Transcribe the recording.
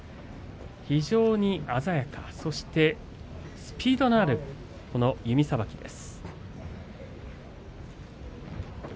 非常に鮮やかそしてスピードのあるこの弓さばきです。